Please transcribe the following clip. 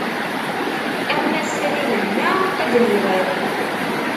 Am wass-a di lehna ad d-nuɣal.